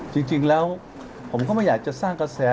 จริงแล้วผมก็ไม่อยากจะสร้างกระแส